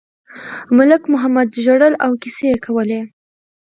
ملک محمد ژړل او کیسې یې کولې.